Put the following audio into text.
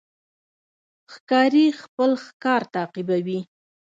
ښکاري خپل ښکار تعقیبوي.